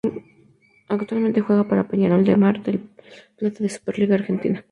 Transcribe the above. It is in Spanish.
Actualmente juega para Peñarol de Mar del Plata la SuperLiga Argentina.